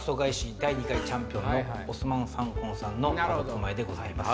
第２回チャンピオンのオスマン・サンコンさんのパドック前でございます。